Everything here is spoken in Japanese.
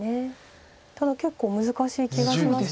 ただ結構難しい気がします。